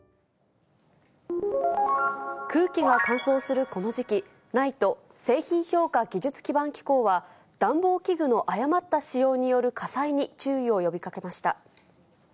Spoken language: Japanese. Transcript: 空気が乾燥するこの時期、ＮＩＴＥ・製品評価技術基盤機構は、暖房器具の誤った使用による火災に注意を呼びかけました。